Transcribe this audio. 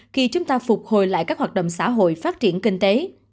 khi chúng ta phục hồi lại các hoạt động xã hội phát triển kinh tế